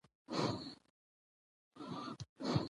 کله چې د ورد غاړې ته ورسېدو.